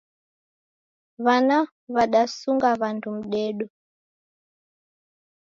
W'ana w'adasunga w'andu mdedo